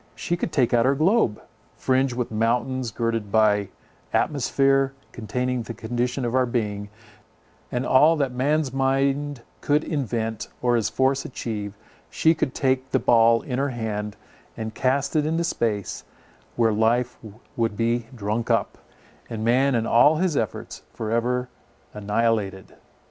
She could take our globe, fringed with mountains, girded by the atmosphere, containing the condition of our being, and all that man's mind could invent or his force achieve; she could take the ball in her hand, and cast it into space, where life would be drunk up, and man and all his efforts for ever annihilated.